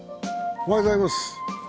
おはようございます。